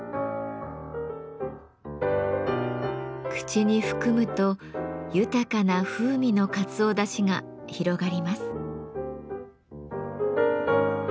口に含むと豊かな風味のかつおだしが広がります。